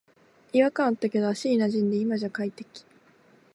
違和感あったけど足になじんで今じゃ快適